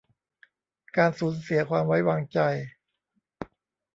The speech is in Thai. การสูญเสียความไว้วางใจ